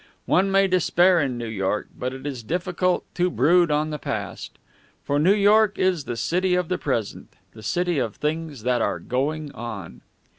One may despair in New York, but it is difficult to brood on the past; for New York is the City of the Present, the City of Things that are Going On.